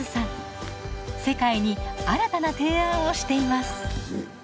世界に新たな提案をしています。